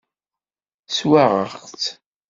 Swaɣeɣ-tt.